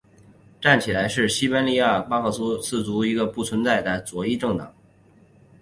站起来是西班牙巴斯克自治区的一个已不存在的左翼政党。